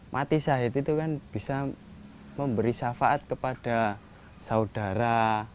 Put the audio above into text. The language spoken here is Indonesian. mati syahid itu kan bisa memberi syafaat kepada saudara